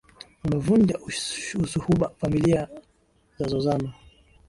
Umevunja usuhuba, familia zazozana,